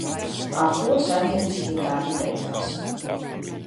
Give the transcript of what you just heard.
Ar to saimnieciskie darbi beidzās.